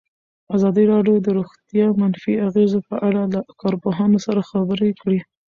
ازادي راډیو د روغتیا د منفي اغېزو په اړه له کارپوهانو سره خبرې کړي.